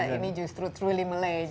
ini justru truly malaysia